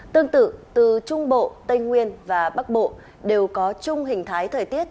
tương tự từ trung bộ tây nguyên và bắc bộ đều có chung hình thái thời tiết